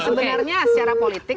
sebenarnya secara politik